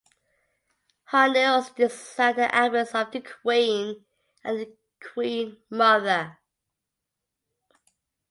Hartnell also designed the outfits of The Queen and The Queen Mother.